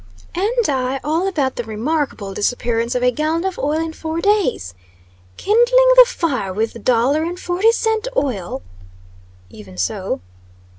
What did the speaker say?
"And I all about the remarkable disappearance of a gallon of oil in four days. Kindling the fire with dollar and forty cent oil!" "Even so!"